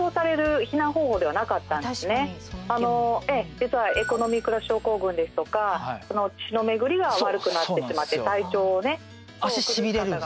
実はエコノミークラス症候群ですとか血の巡りが悪くなってしまって体調をね崩す方が。